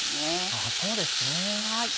あぁそうですね。